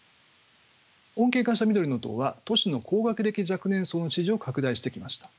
穏健化した緑の党は都市の高学歴若年層の支持を拡大してきました。